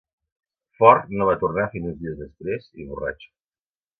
Ford no va tornar fins uns dies després i borratxo.